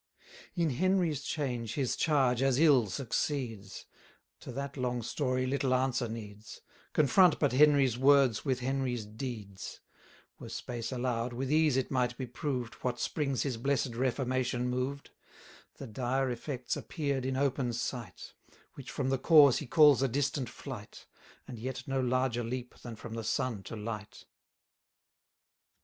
In Henry's change his charge as ill succeeds; 320 To that long story little answer needs: Confront but Henry's words with Henry's deeds. Were space allow'd, with ease it might be proved, What springs his blessed Reformation moved. The dire effects appear'd in open sight, Which from the cause he calls a distant flight, And yet no larger leap than from the sun to light.